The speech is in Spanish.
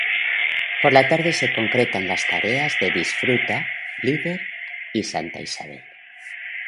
Por la tarde se concretan las tareas de Disfruta, Líder y Santa Isabel.